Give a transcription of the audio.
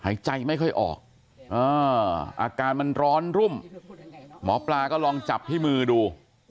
หายใจไม่ค่อยออกอาการมันร้อนรุ่มหมอปลาก็ลองจับที่มือดู